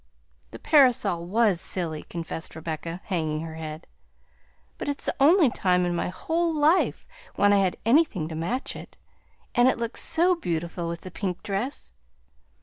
"The parasol WAS silly," confessed Rebecca, hanging her head; "but it's the only time in my whole life when I had anything to match it, and it looked so beautiful with the pink dress!